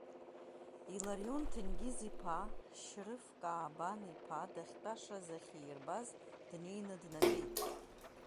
Иларион Ҭенгиз-иԥа, Шьрыф Каабан-иԥа дахьтәашаз, ахьиирбаз, днеиныднатәеит.